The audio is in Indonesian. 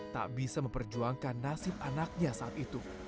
tak bisa memperjuangkan nasib anaknya saat itu